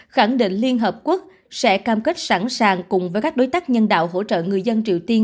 khẳng định liên hợp quốc sẽ cam kết sẵn sàng cùng với các đối tác nhân đạo hỗ trợ người dân triều tiên